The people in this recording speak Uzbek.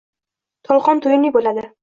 Tolqon to‘yimli bo‘ladi.